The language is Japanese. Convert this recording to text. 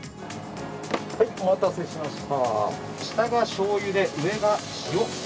お待たせしました。